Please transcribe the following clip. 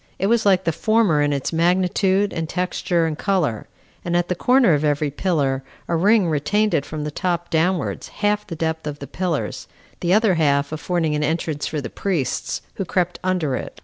It was like the former in its magnitude, and texture, and color; and at the corner of every pillar a ring retained it from the top downwards half the depth of the pillars, the other half affording an entrance for the priests, who crept under it.